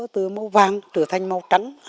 từ màu vàng trở thành màu trắng